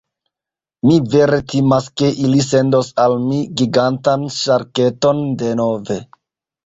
Mi vere timas ke ili sendos al mi gigantan ŝarketon denove.